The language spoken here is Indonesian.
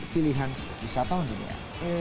pilihan wisatawan dunia